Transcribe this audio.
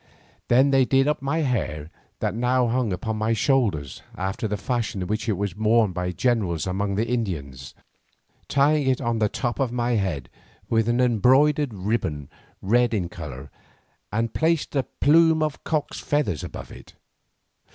Then they did up my hair that now hung upon my shoulders, after the fashion in which it was worn by generals among the Indians, tying it on the top of my head with an embroidered ribbon red in colour, and placed a plume of cock's feathers above it.